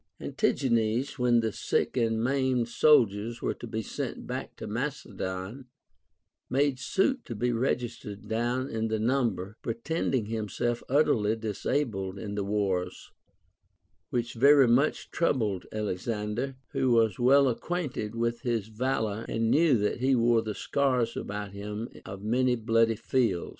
An tigenes, when the sick and maimed soldiers were to be sent back into Macedon, made suit to be registered down in the number, pretending himself utterly disabled in the wars ; which very much troubled Alexander, who was well ac quainted with his valor and knew that he wore the scars about him of many a bloody field.